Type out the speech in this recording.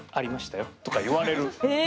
え！